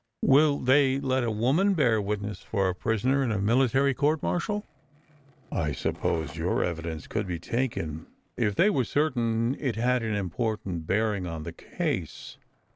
Will they let a woman bear witness for a prisoner in a military court martial?" "I suppose your evidence could be taken, if they were certain it had an important bearing on the case.